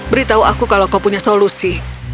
beritahu aku kalau kau punya solusi